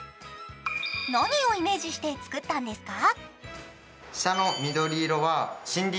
何をイメージして作ったんですか？